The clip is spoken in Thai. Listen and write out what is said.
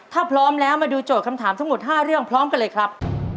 ถ้าพร้อมแล้วมาดูโจทย์คำถามทั้งหมด๕เรื่องพร้อมกันเลยครับ